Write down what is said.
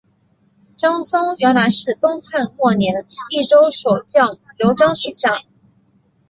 张松原来是东汉末年益州守将刘璋属下。